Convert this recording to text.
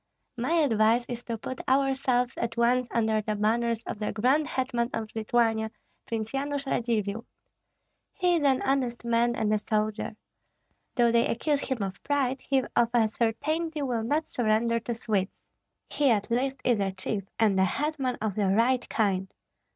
My advice is to put ourselves at once under the banners of the grand hetman of Lithuania, Prince Yanush Radzivill. He is an honest man and a soldier. Though they accuse him of pride, he of a certainty will not surrender to Swedes. He at least is a chief and a hetman of the right kind.